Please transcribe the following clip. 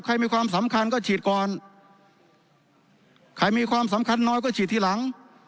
มีความสำคัญก็ฉีดก่อนใครมีความสำคัญน้อยก็ฉีดทีหลัง